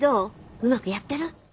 うまくやってる？